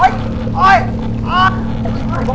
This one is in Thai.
หลังจากนิดนึง